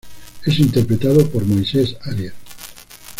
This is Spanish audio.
Es interpretado por Moises Arias.